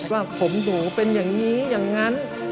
ว่าผมหนูเป็นอย่างนี้อย่างนั้น